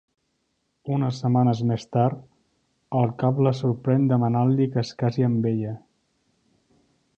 Unes setmanes més tard, el Cap la sorprèn demanant-li que es casi amb ella.